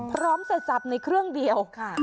พร้อมสรรค์ในเครื่องเดียว